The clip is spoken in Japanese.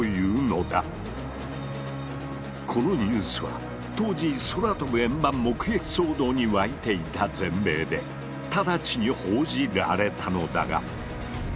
このニュースは当時「空飛ぶ円盤目撃騒動」に沸いていた全米で直ちに報じられたのだが。